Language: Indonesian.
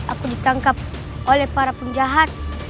aku ditangkap oleh para penjahat